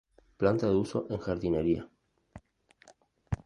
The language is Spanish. Planta de uso en jardinería.